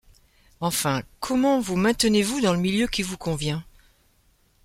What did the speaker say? Enfin, comment vous maintenez-vous dans le milieu qui vous convient ?